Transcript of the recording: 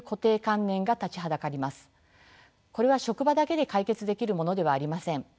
これは職場だけで解決できるものではありません。